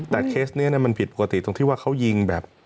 แต่เคสนี้มันผิดปกติตรงที่ว่าเขายิงแบบ